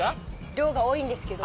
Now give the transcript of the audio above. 量が多いんですけど。